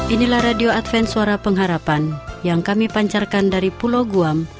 inilah radio adven suara pengharapan yang kami pancarkan dari pulau guam